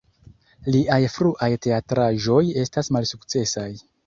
Liaj fruaj teatraĵoj estas malsukcesaj.